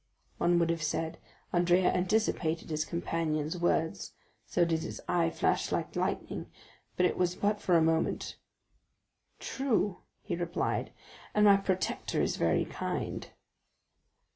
One would have said Andrea anticipated his companion's words, so did his eye flash like lightning, but it was but for a moment. "True," he replied, "and my protector is very kind."